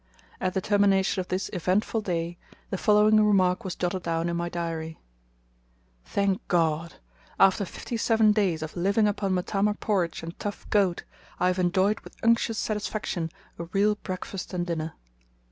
At the termination of this eventful day, the following remark was jotted down in my diary: "Thank God! After fifty seven days of living upon matama porridge and tough goat, I have enjoyed with unctuous satisfaction a real breakfast and dinner."